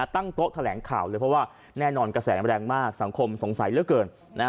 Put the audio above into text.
ตั้งโต๊ะแถลงข่าวเลยเพราะว่าแน่นอนกระแสแรงมากสังคมสงสัยเหลือเกิน